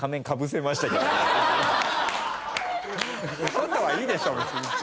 外はいいでしょ別に。